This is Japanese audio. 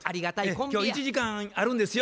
「今日１時間あるんですよ」。